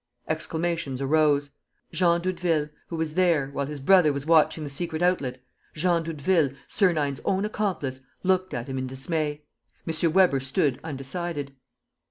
Exclamations arose. Jean Doudeville, who was there, while his brother was watching the secret outlet, Jean Doudeville, Sernine's own accomplice, looked at him in dismay. M. Weber stood undecided.